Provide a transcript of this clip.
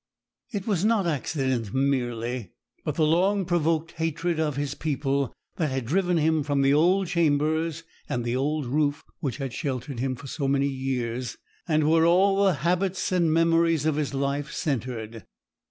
It was not accident merely, but the long provoked hatred of his people, that had driven him from the old chambers and the old roof which had sheltered him for so many years, and where all the habits and memories of his life centred.